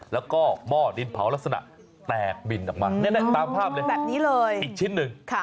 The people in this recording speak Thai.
แล้วก็หม้อดินเผาลักษณะแตกบินออกมาตามภาพเลยแบบนี้เลยอีกชิ้นหนึ่ง